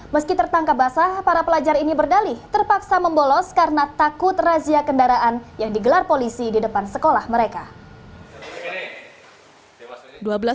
meski tertangkap basah para pelajar ini berdalih terpaksa membolos karena takut razia kendaraan yang digelar polisi di depan sekolah mereka